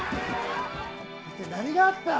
一体何があった？